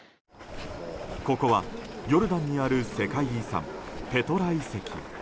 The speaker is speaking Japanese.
ここは、ヨルダンにある世界遺産ペトラ遺跡。